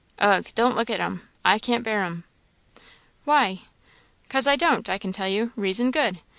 Ugh! don't look at 'em; I can't bear 'em." "Why?" " 'Cause I don't, I can tell you; reason good.